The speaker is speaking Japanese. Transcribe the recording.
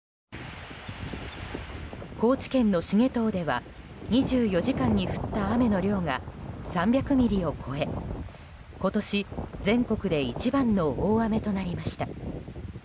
高知県の繁藤では２４時間に降った雨の量が３００ミリを超え今年、全国で一番の大雨となりました。